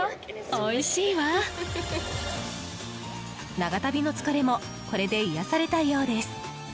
長旅の疲れもこれで癒やされたようです。